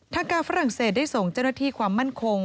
ทางการฝรั่งเศสได้ส่งเจ้าหน้าที่ความมั่นคง